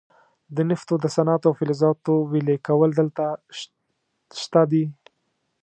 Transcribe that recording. د نفتو د صنعت او فلزاتو ویلې کول دلته شته دي.